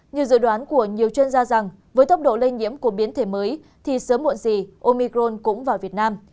nhiều dự đoán của nhiều chuyên gia rằng với tốc độ lây nhiễm của biến thể mới thì sớm muộn gì omicron cũng vào việt nam